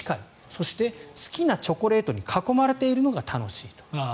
そして、好きなチョコレートに囲まれているのが楽しい。